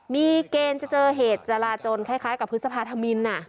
มีเกณฑ์จะเจอเหตุจราจนคล้ายกับพฤษภาธมิน